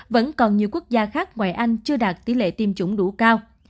vẫn còn nhiều quốc gia khác ngoài anh chưa đạt tỷ lệ tiêm chủng đủ cao